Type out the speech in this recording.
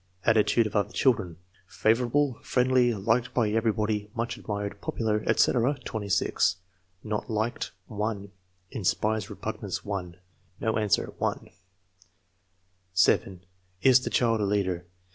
Attitude of other children. ''Favorable," "friendly," "liked by everybody," "much admired," "popular," etc., 86; "not likcc ," 1; "inspires repugnance," 1; no answer, 1. 7. Is child a leader?